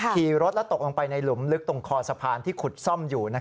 ขี่รถและตกลงไปในหลุมลึกตรงคอสะพานที่ขุดซ่อมอยู่